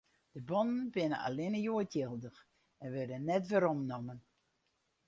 De bonnen binne allinnich hjoed jildich en wurde net weromnommen.